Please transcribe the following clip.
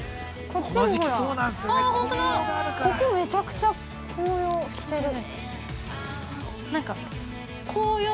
◆ここめちゃくちゃ紅葉してる。